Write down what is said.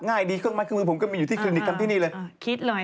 ง่ายดีเครื่องมัดขึ้นมือผมก็มีอยู่ที่คลินิกนั้นที่นี่เลย